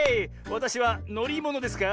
わたしはのりものですか？